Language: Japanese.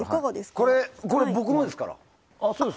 これ、僕のですから。